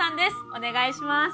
お願いします。